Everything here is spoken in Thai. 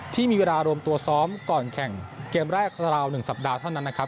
ที่มีเวลารวมตัวซ้อมก่อนแข่งเกมแรกราว๑สัปดาห์เท่านั้นนะครับ